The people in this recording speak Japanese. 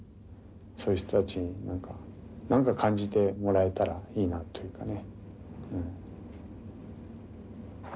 そういう人たちに何か感じてもらえたらいいなというかね。